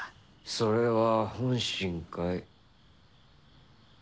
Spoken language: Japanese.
それは本心かい？